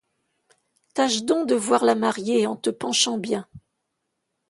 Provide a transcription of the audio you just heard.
Tâche donc de voir la mariée en te penchant bien.